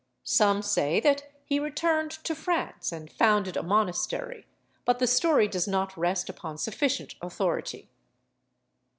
Some say that he returned to France and founded a monastery, but the story does not rest upon sufficient authority.